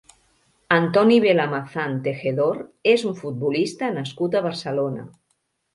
Antoni Velamazán Tejedor és un futbolista nascut a Barcelona.